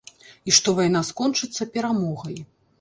І што вайна скончыцца перамогай.